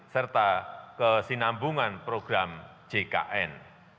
serta kesinambungan program jkn